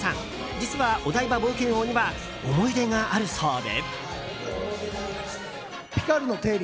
実は、お台場冒険王には思い出があるそうで。